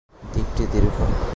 দ্বীপটি দীর্ঘ।